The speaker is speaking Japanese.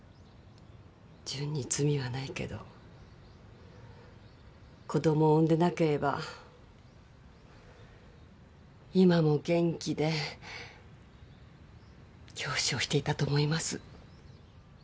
潤に罪はないけど子供を産んでなければ今も元気で教師をしていたと思います。